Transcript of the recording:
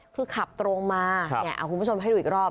คือขับตรงมาคุณผู้ชมให้ดูอีกรอบ